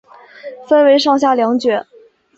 分为上下两卷。